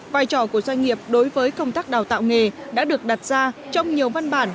vai trò của doanh nghiệp đối với công tác đào tạo nghề đã được đặt ra trong nhiều văn bản